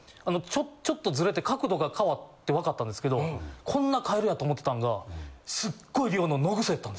ちょっとずれて角度が変わってわかったんですけどこんなカエルやと思てたんが。